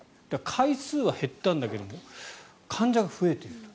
回数は減ったんだけど患者が増えていると。